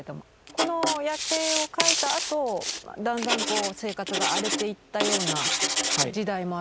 この「夜警」を描いたあとだんだんこう生活が荒れていったような時代もありますよね。